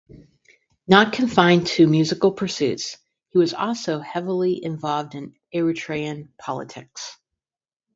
Not confined to musical pursuits, he was also heavily involved in Eritrean politics.